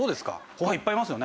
後輩いっぱいいますよね。